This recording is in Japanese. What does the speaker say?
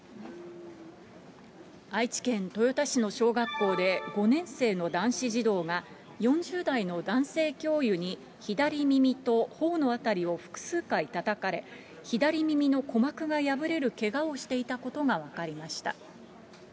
愛知県豊田市の小学校で、５年生の男子児童が、４０代の男性教諭に左耳とほおのあたりを複数回たたかれ、左耳の鼓膜が破れるけがをしていたことが分かりました。